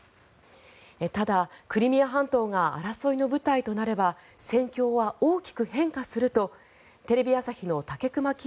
ただ、クリミア半島が争いの舞台となれば戦況は大きく変化するとテレビ朝日の武隈喜